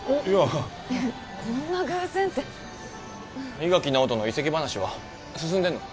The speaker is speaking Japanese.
いやこんな偶然って伊垣尚人の移籍話は進んでんの？